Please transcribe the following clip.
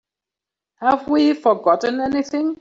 Have we forgotten anything?